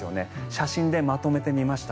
写真でまとめてみました。